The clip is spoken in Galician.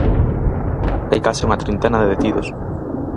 Hai case unha trintena de detidos.